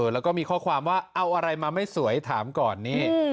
แล้วก็มีข้อความว่าเอาอะไรมาไม่สวยถามก่อนนี่